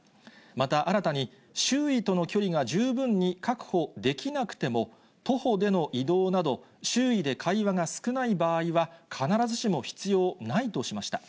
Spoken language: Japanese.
また新たに、周囲との距離が十分に確保できなくても、徒歩での移動など、周囲で会話が少ない場合は、必ずしも必要ないとしました。